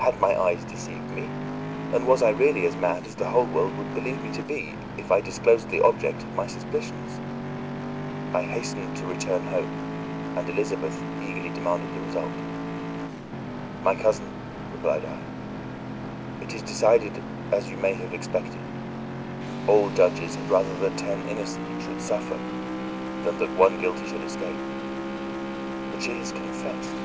Had my eyes deceived me? And was I really as mad as the whole world would believe me to be if I disclosed the object of my suspicions? I hastened to return home, and Elizabeth eagerly demanded the result. "My cousin," replied I, "it is decided as you may have expected; all judges had rather that ten innocent should suffer than that one guilty should escape. But she has confessed."